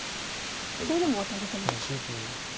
それでもワタれてますか。